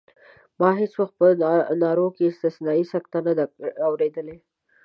ما هېڅ وخت په نارو کې استثنایي سکته نه ده اورېدلې.